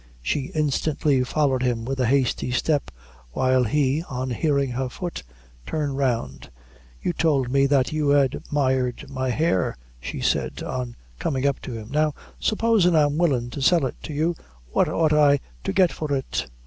She instantly followed him with a hasty step; while he, on hearing her foot, turned round. "You told me that you admired my hair," she said, on coming up to him. "Now, supposin' I'm willin' to sell it to you, what ought I to get for it?"